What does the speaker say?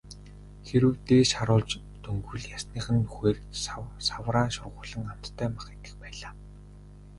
Хэрэв дээш харуулж дөнгөвөл ясных нь нүхээр савраа шургуулан амттай мах идэх байлаа.